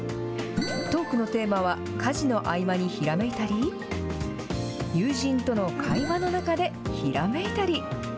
トークのテーマは、家事の合間にひらめいたり、友人との会話の中でひらめいたり。